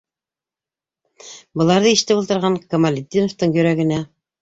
Быларҙы ишетеп ултырған Камалетдиновтың йөрәгенә